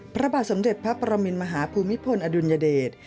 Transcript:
พระบาทสมเด็จพระปรมินมหาภูมิพลอดุลยเดช